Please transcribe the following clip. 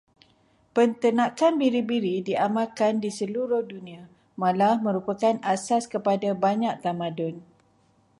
Penternakan biri-biri diamalkan di seluruh dunia, malah merupakan asas kepada banyak tamadun.